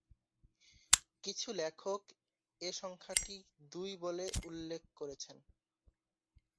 কিছু লেখক এ সংখ্যাটি দুই বলে উল্লেখ করেছেন।